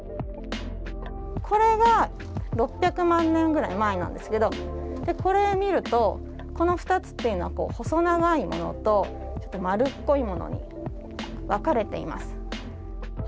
これが６００万年ぐらい前なんですけどこれを見るとこの２つっていうのは細長いものとちょっと丸っこいものに分かれています。